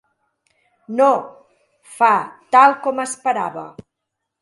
No —fa, tal com esperava.